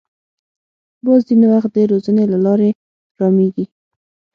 باز ځینې وخت د روزنې له لارې رامېږي